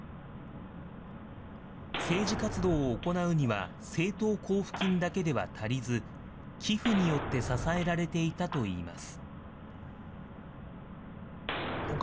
政治活動を行うには、政党交付金だけでは足りず、寄付によって支えられていたといいます。